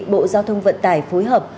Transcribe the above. bộ giao thông vận tải phối hợp